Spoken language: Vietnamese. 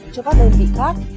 cho các đơn vị khác